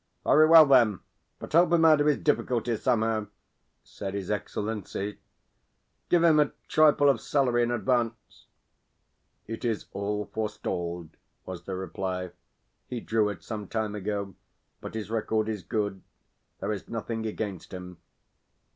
"Very well, then; but help him out of his difficulties somehow," said his Excellency. "Give him a trifle of salary in advance." "It is all forestalled," was the reply. "He drew it some time ago. But his record is good. There is nothing against him."